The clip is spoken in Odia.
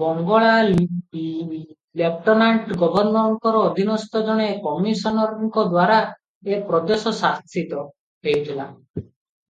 ବଙ୍ଗଳା ଲେଫ୍ଟନାଣ୍ଟ ଗଭର୍ନରଙ୍କର ଅଧୀନସ୍ଥ ଜଣେ କମିଶନରଙ୍କଦ୍ୱାରା ଏ ପ୍ରଦେଶ ଶାସିତ ହେଉଥିଲା ।